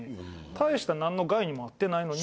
大した何の害にもあってないのに。